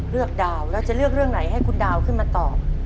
ดาวแล้วจะเลือกเรื่องไหนให้คุณดาวขึ้นมาตอบ